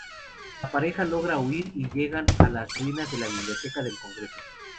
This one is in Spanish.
La pareja logra huir y llegan a las ruinas de la Biblioteca del Congreso.